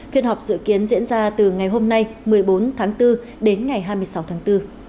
phiên họp dự kiến diễn ra từ ngày hôm nay một mươi bốn tháng bốn đến ngày hai mươi sáu tháng bốn